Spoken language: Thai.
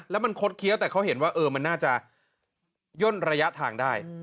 แล้วมันคดเคี้ยวแต่เขาเห็นว่ามันน่าจะย่นระยะทางได้